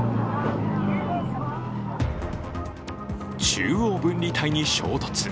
中央分離帯に衝突。